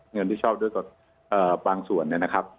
เงินที่ชอบด้วยกับบางส่วนเนี่ยนะครับ